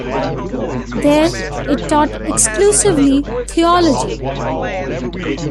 There, it taught exclusively theology.